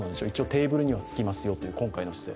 テーブルにはつきますよという姿勢。